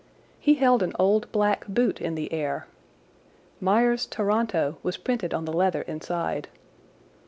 He held an old black boot in the air. "Meyers, Toronto," was printed on the leather inside.